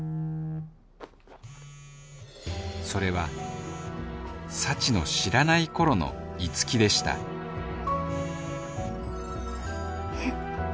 それは幸の知らない頃の樹でしたえっ。